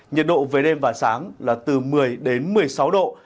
nhiệt độ với đêm và sáng là từ một mươi một mươi sáu độ